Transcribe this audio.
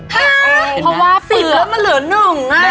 เพราะว่าเปลือกมันเหลือหนึ่ง